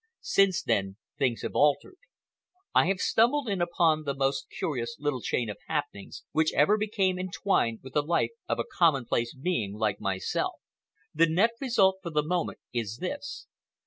Since then things have altered. I have stumbled in upon the most curious little chain of happenings which ever became entwined with the life of a commonplace being like myself. The net result, for the moment, is this.